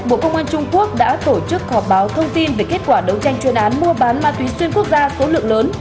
bộ công an trung quốc đã tổ chức họp báo thông tin về kết quả đấu tranh chuyên án mua bán ma túy xuyên quốc gia số lượng lớn